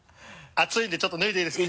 熱いんでちょっと脱いでいいですか？